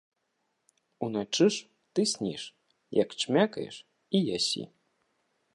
Уначы ж ты сніш, як чмякаеш і ясі.